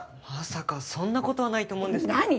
まさかそんな事はないと思うんですけど。